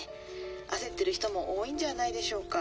焦ってる人も多いんじゃないでしょうか。